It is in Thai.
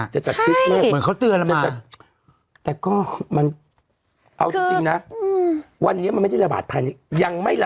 จะจัดคิดเลขจะจัดคิดเลขแต่ก็มันเอาจริงนะวันนี้มันไม่ได้ระบาดภายใน